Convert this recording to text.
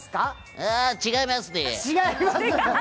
えー、違いますね。